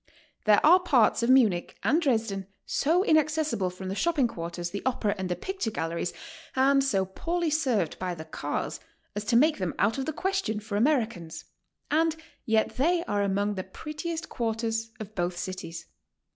There are parts of Munich and Dresden so inaccessible from the shopping quarters, the HOW TO STAY. 153 opera, and the picture galleries, and so poorly served by the cars, as to make tliem out of the question for Americans; and yet they are among the prettiest quarters of both cities.